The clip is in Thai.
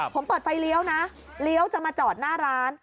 ผมเปิดไฟเลี้ยวนะเลี้ยวจะมาจอดหน้าร้าน